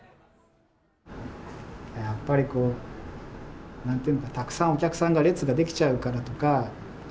やっぱりこう何と言うのかたくさんお客さんが列が出来ちゃうからとか。